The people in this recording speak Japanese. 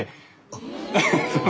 あっ。